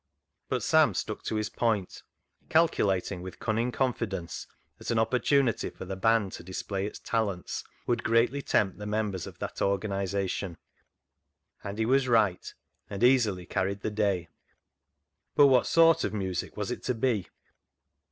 But Sam stuck to his point, calculating with cunning confidence that an opportunity for the band to display its talents would greatly tempt the members of that organisation, and he was right, and easily carried the day. But what sort of music was it to be